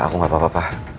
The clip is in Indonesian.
aku gak apa apa pak